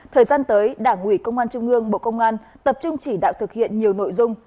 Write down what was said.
thời gian tới đảng ủy công an trung ương bộ công an tập trung chỉ đạo thực hiện nhiều nội dung